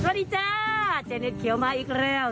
สวัสดีจ้าเจเน็ตเขียวมาอีกแล้ว